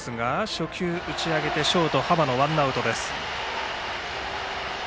初球打ち上げてショートの浜野がとってワンアウト。